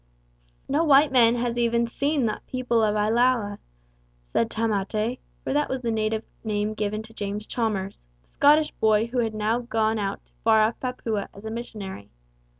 "No white man has even seen the people of Iala," said Tamate for that was the native name given to James Chalmers, the Scottish boy who had now gone out to far off Papua as a missionary.